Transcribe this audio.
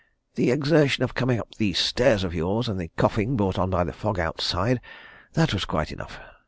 The exertion of coming up these stairs of yours, and the coughing brought on by the fog outside that was quite enough.